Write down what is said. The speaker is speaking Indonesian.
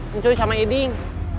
mencuri sama eding